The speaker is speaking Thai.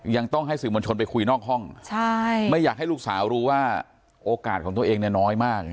ยังต้องให้สื่อมวลชนไปคุยนอกห้องไม่อยากให้ลูกสาวรู้ว่าโอกาสของตัวเองเนี่ยน้อยมาก